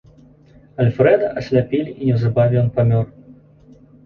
Альфрэда асляпілі і неўзабаве ён памёр.